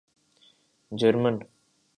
German